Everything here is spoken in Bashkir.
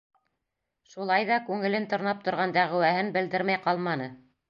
Шулай ҙа күңелен тырнап торған дәғүәһен белдермәй ҡалманы.